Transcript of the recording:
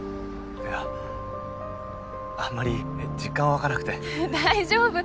いやあんまり実感湧かなくて大丈夫